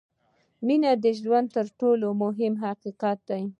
• مینه د ژوند تر ټولو مهم حقیقت دی.